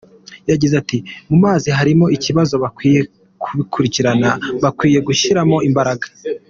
Yagize ati “Mu mazi harimo ikibazo bakwiye kubikurikirana, bakwiye gushyiramo imbaraga.